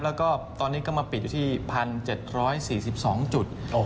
แล้วก็ตอนนี้ก็มาปิดอยู่ที่๑๗๔๒จุด